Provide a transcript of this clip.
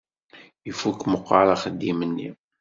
Ifukk meqqar axeddim-nni.